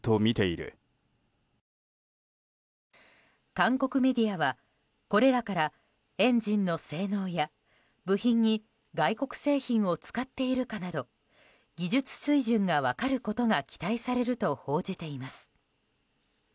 韓国メディアは、これらからエンジンの性能や部品に外国製品を使っているかなど技術水準が分かることが期待されると報じています。